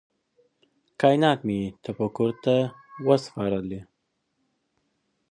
کائینات مي تفکر ته وه سپارلي